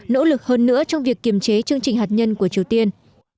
nỗ lực hơn nữa trong việc kiềm chế chương trình hạt nhân của triều tiên